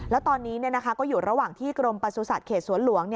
แล้วตอนนี้ก็อยู่ระหว่างที่กรมประสุทธิ์เขตสวนหลวง